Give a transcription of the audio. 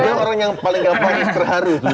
dia orang yang paling gak panis terharu